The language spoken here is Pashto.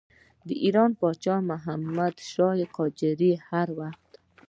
د ایران پاچا محمدشاه قاجار هر وخت.